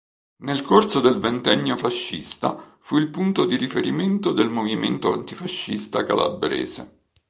Nel corso del ventennio fascista fu il punto di riferimento del movimento antifascista calabrese.